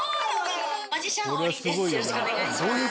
よろしくお願いします。